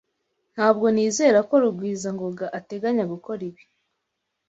Ntabwo nizera ko Rugwizangoga ateganya gukora ibi.